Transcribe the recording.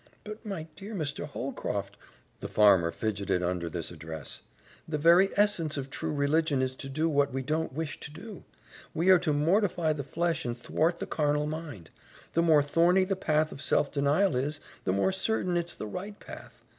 "But my dear Mr. Holcroft," the farmer fidgeted under this address, "the very essence of true religion is to do what we don't wish to do. We are to mortify the flesh and thwart the carnal mind. The more thorny the path of self denial is, the more certain it's the right path.